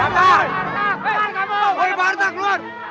pak harta pak harta keluar